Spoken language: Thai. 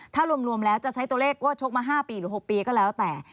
ถ้ารวมแล้วจะใช้ตัวเลขว่าชกมา๕ปีหรือ๖ปีก็แล้วแต่